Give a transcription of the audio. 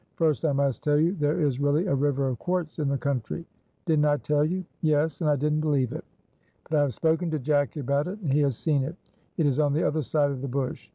First, I must tell you there is really a river of quartz in the country." "Didn't I tell you?" "Yes, and I didn't believe it. But I have spoken to Jacky about it, and he has seen it; it is on the other side of the bush.